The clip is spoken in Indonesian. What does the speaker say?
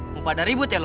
mumpah ada ribut ya lo